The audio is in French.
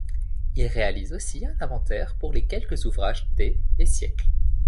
Il réalise aussi un inventaire pour les quelque ouvrages des et siècles.